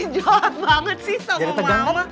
jadi tegang gak